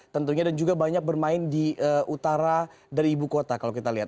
tentunya dan juga banyak bermain di utara dari ibu kota kalau kita lihat